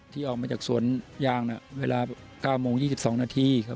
ที่ออกมาจากสวนยางเวลา๙นาฬิกา๒๒นาที